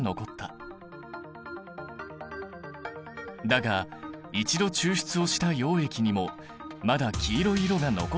だが一度抽出をした溶液にもまだ黄色い色が残っている。